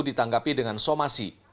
ditanggapi dengan somasi